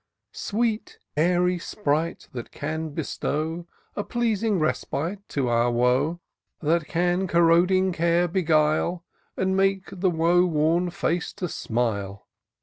Sweet, airy sprite, that can bestow A pleasing respite to our woe ; That can corroding care beguile, And make the woe worn face to smile